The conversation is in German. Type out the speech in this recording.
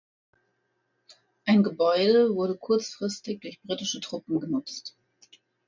Ein Gebäude wurde kurzfristig durch britische Truppen genutzt.